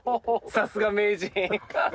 さすが名人。